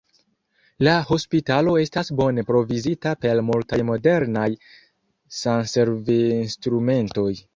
La hospitalo estas bone provizita per multaj modernaj sanservinstrumentoj.